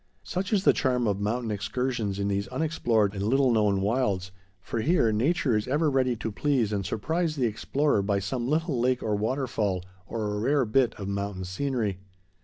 Such is the charm of mountain excursions in these unexplored and little known wilds, for here, nature is ever ready to please and surprise the explorer by some little lake or waterfall or a rare bit of mountain scenery.